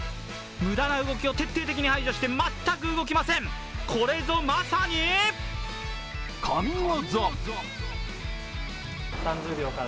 無駄な動きを徹底的に排除して全く動きません、これぞまさに神業！